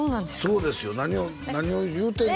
そうですよ何を何を言うてんの？